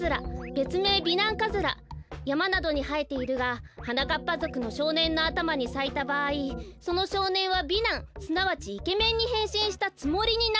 べつめい美男カズラやまなどにはえているがはなかっぱぞくのしょうねんのあたまにさいたばあいそのしょうねんは美男すなわちイケメンにへんしんしたつもりになる。